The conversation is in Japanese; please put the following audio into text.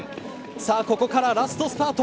さあ、ここからラストスパート。